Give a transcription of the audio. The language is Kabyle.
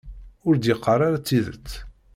Ur d-yeqqar ara tidet.